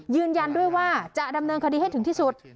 ยืนยันด้วยว่าจะดำเนินคดีให้ถึงที่สุด